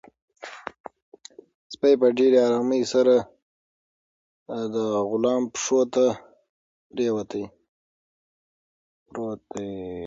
سپی په ډېر ارامۍ سره د غلام پښو ته پروت دی.